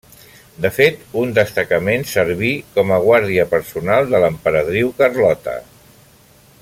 De fet un destacament serví com a guàrdia personal de l'emperadriu Carlota.